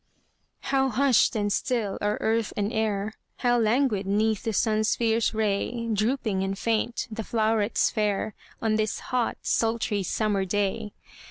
How hushed and still are earth and air, How languid 'neath the sun's fierce ray Drooping and faint the flowrets fair, On this hot, sultry, summer day!